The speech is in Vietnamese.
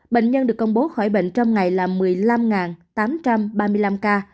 bệnh nhân được công bố khỏi bệnh trong ngày là một mươi năm tám trăm ba mươi năm ca